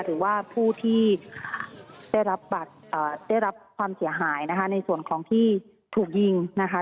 หรือว่าผู้ที่ได้รับบัตรได้รับความเสียหายนะคะในส่วนของที่ถูกยิงนะคะ